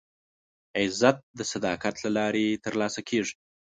عزت د صداقت له لارې ترلاسه کېږي.